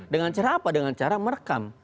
dengan cara apa dengan cara merekam